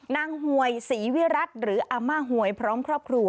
หวยศรีวิรัติหรืออาม่าหวยพร้อมครอบครัว